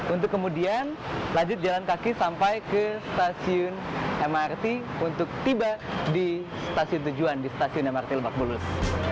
untuk kemudian lanjut jalan kaki sampai ke stasiun mrt untuk tiba di stasiun tujuan di stasiun mrt lebak bulus